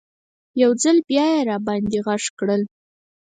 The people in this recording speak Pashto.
یو ځل بیا یې راباندې غږ کړل.